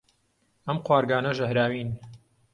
ئەم قوارگانە ژەهراوین.